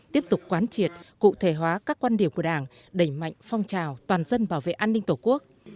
tiếp tục quán triệt cụ thể hóa các quan điểm của đảng đẩy mạnh phong trào toàn dân bảo vệ an ninh tổ quốc